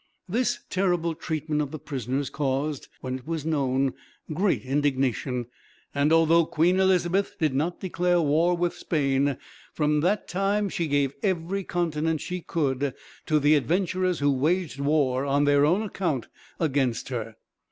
"This terrible treatment of the prisoners caused, when it was known, great indignation; and although Queen Elizabeth did not declare war with Spain, from that time she gave every countenance she could to the adventurers who waged war, on their own account, against her.